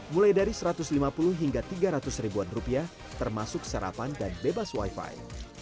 mulai dari satu ratus lima puluh hingga tiga ratus ribuan rupiah termasuk sarapan dan bebas wifi